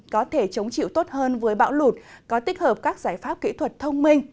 có thể chống chịu tốt hơn với bão lụt có tích hợp các giải pháp kỹ thuật thông minh